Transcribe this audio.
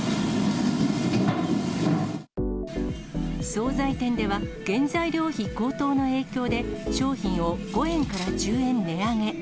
総菜店では、原材料費高騰の影響で、商品を５円から１０円値上げ。